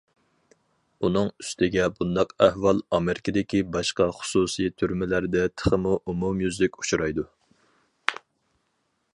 ئۇنىڭ ئۈستىگە بۇنداق ئەھۋال ئامېرىكىدىكى باشقا خۇسۇسىي تۈرمىلەردە تېخىمۇ ئومۇميۈزلۈك ئۇچرايدۇ.